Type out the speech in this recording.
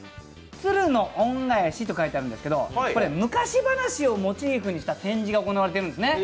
「つるのおんがえし」と書いてあるんですけれども、昔話をモチーフにした展示が行われているんですね。